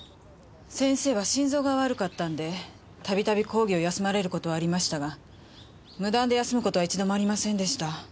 先生は心臓が悪かったんでたびたび講義を休まれることはありましたが無断で休むことは一度もありませんでした。